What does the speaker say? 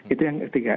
itu yang ketiga